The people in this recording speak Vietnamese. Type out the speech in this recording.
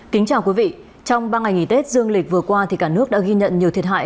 kính chào quý vị trong ba ngày nghỉ tết dương lịch vừa qua cả nước đã ghi nhận nhiều thiệt hại